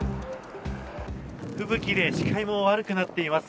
吹雪で視界も悪くなっています。